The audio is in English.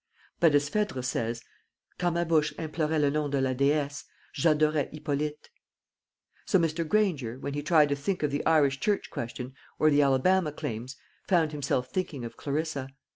But, as Phèdre says, "Quand ma bouche implorait le nom de la déesse, j'adorais Hippolyte;" so Mr. Granger, when he tried to think of the Irish Church question, or the Alabama claims, found himself thinking of Clarissa.